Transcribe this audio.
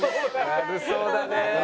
悪そうだね。